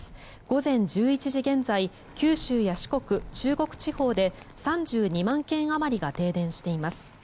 午前１１時現在九州や四国、中国地方で３２万軒あまりが停電しています。